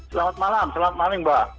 selamat malam selamat malam mbak